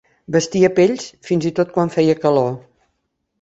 Vestia pells fins i tot quan feia calor.